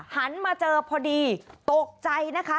หันมาเจอพอดีตกใจนะคะ